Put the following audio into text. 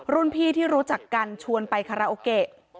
รุ่นพี่ที่รู้จักกันชวนไปคาราโอเกะ